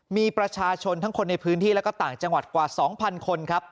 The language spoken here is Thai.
มีประชาชนทั้งคนในพื้นที่และก็ต่างจังหวัดกว่า๒๐๐คนครับ